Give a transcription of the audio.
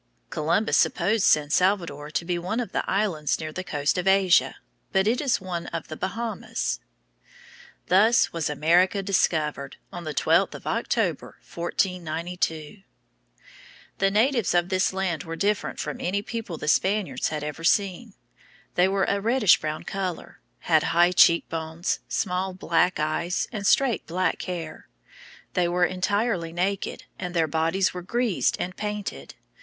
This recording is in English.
Columbus supposed San Salvador to be one of the islands near the coast of Asia, but it is one of the Bahamas. Thus was America discovered on the 12th of October, 1492. The natives of this island were different from any people the Spaniards had ever seen. They were of a reddish brown color, and had high cheek bones, small black eyes, and straight black hair. They were entirely naked, and their bodies were greased and painted.